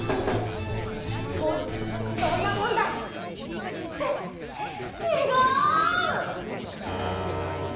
とうりょうどんなもんだい！ってちがう！